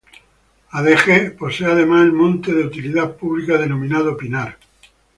Adeje posee además el monte de utilidad pública denominado Pinar.